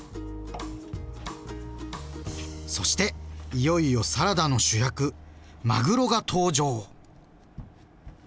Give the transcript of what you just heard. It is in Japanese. そしていよいよサラダの主役まぐろが登場！